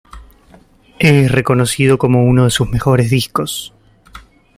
Es reconocido como uno de sus mejores discos.